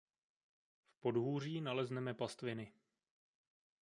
V podhůří nalezneme pastviny.